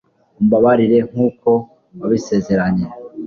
umbabarire nk'uko wabisezeranye